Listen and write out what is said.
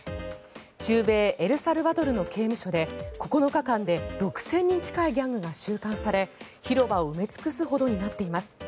中米エルサルバドルの刑務所で９日間で６０００人近いギャングが収監され広場を埋め尽くすほどになっています。